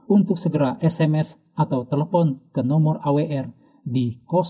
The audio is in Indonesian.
untuk segera sms atau telepon ke nomor awr di delapan ratus dua puluh satu seribu enam puluh satu